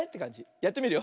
やってみるよ。